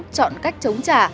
chọn cách chống trả